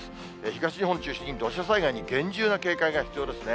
東日本中心に、土砂災害に厳重な警戒が必要ですね。